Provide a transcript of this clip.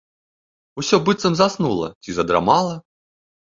Усё быццам заснула ці задрамала.